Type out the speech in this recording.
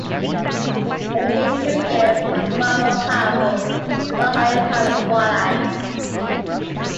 He is eventually killed again by a far more powerful rogue higher power, Twilight.